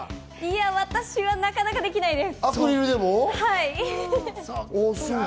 いや、私はなかなかできないです。